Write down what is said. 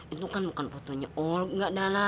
itu kan bukan fotonya olga dalla